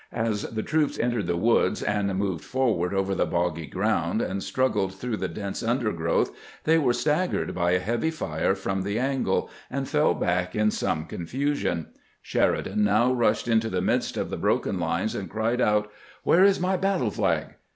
As the troops entered the woods, and moved forward over the boggy ground, and struggled through the dense undergrowth, they were staggered by a heavy fire from the angle, and fell back in some con THE BATTLE OF FIVE FOEKS 439 fusion. Sheridan now rushed into the midst of the laroken lines, and cried out :" Where is my battle flag?